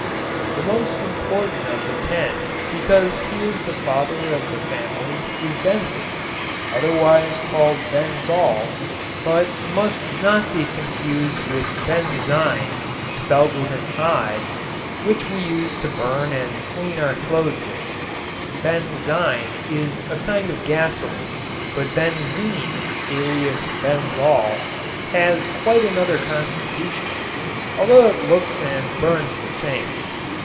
] The most important of the ten because he is the father of the family is benzene, otherwise called benzol, but must not be confused with "benzine" spelled with an i which we used to burn and clean our clothes with. "Benzine" is a kind of gasoline, but benzene alias benzol has quite another constitution, although it looks and burns the same.